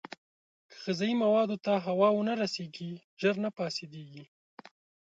که غذايي موادو ته هوا ونه رسېږي، ژر نه فاسېدېږي.